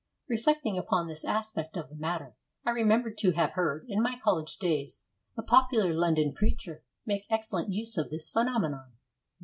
Reflecting upon this aspect of the matter, I remembered to have heard, in my college days, a popular London preacher make excellent use of this phenomenon.